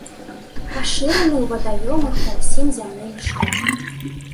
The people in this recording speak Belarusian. Пашыраны ў вадаёмах па ўсім зямным шары.